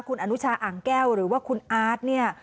คุณอนุชาอ่างแก้วหรือว่าคุณอาร์ตเนี่ย